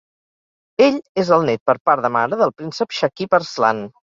Ell és el net per part de mare del Príncep Shakib Arslan.